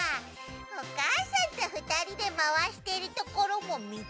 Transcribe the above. おかあさんとふたりでまわしているところもみたいな。